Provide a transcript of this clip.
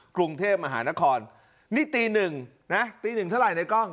กรุงเทพมหานครนี่ตีหนึ่งนะตีหนึ่งเท่าไหร่ในกล้อง